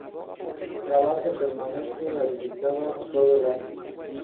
La base permanece habitada todo el año.